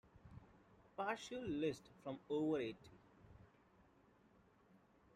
Partial list from over eighty.